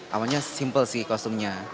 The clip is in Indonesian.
awalnya simple sih kostumnya